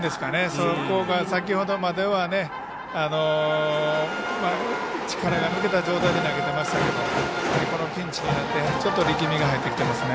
そこが、先ほどまでは力が抜けた状態で投げていましたけどこのピンチになってちょっと力みが入ってきていますね。